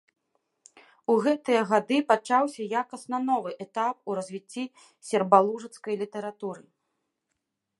У гэтыя гады пачаўся якасна новы этап у развіцці сербалужыцкай літаратуры.